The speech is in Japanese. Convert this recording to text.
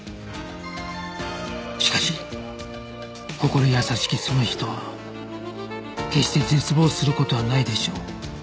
しかし心優しきその人は決して絶望する事はないでしょう